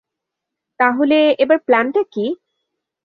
তাহলে এবার প্ল্যানটা কী?